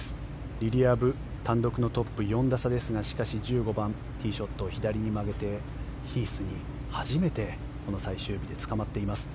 リリア・ブ、単独のトップ４打差ですがしかし、１５番ティーショットを左に曲げてヒースに初めてこの最終日でつかまっています。